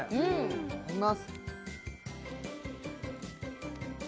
いただきます